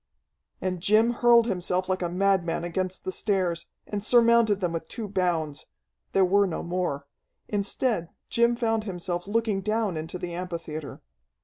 And Jim hurled himself like a madman against the stairs, and surmounted them with two bounds. There were no more. Instead, Jim found himself looking down into the amphitheatre.